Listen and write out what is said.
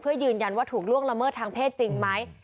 เพื่อยืนยันว่าถูกล่วงละเมิดทางเพศจริงไหม